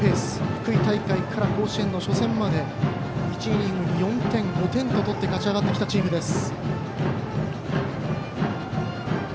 福井大会から甲子園の初戦まで１イニングに４点５点と取って勝ち上がってきたチームです。